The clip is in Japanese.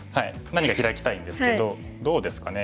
何かヒラきたいんですけどどうですかね。